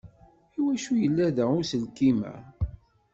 Iwacu yella da uselkim-a?